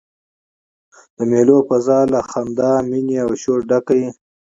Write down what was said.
د مېلو فضاء له خندا، میني او شوره ډکه يي.